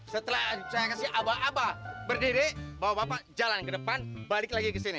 setelah saya kasih abal aba berdiri bapak bapak jalan ke depan balik lagi ke sini